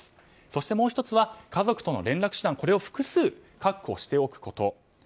そして、もう１つは家族との連絡手段を複数確保しておくこと。